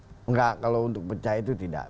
enggak kalau untuk pecah itu tidak